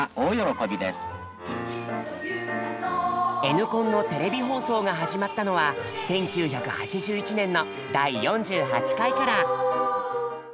「Ｎコン」のテレビ放送が始まったのは１９８１年の第４８回から。